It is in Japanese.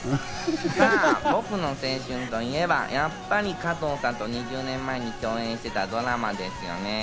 さぁ僕の青春といえば、やっぱり加藤さんと２０年前に共演してたドラマですよねぇ。